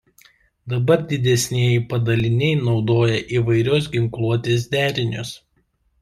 Dabar didesnieji padaliniai naudoja įvairios ginkluotės derinius.